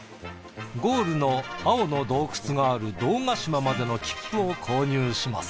ゴールの青の洞窟がある堂ヶ島までの切符を購入します。